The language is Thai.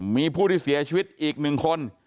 มีผู้ที่เสียชีวิตอีก๑คน